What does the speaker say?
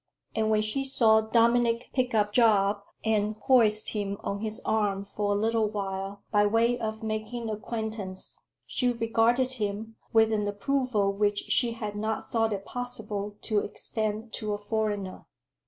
And when she saw Dominic pick up Job and hoist him on his arm for a little while, by way of making acquaintance, she regarded him with an approval which she had not thought it possible to extend to a foreigner.